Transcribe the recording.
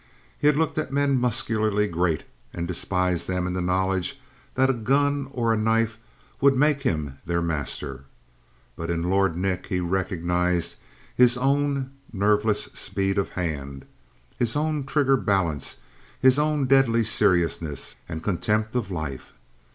He had looked at men muscularly great and despised them in the knowledge that a gun or a knife would make him their master. But in Lord Nick he recognized his own nerveless speed of hand, his own hair trigger balance, his own deadly seriousness and contempt of life.